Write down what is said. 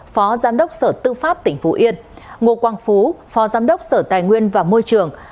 phó giám đốc sở tư pháp tỉnh phú yên ngô quang phú phó giám đốc sở tài nguyên và môi trường